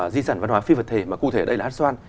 di sản văn hóa phi vật thể mà cụ thể ở đây là hát xoan